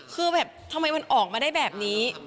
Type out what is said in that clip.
คือแบบทำไมมันออกมาได้แบบนี้